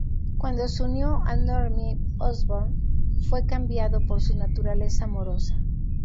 Cuando se unió a Normie Osborn, fue cambiado por su naturaleza amorosa.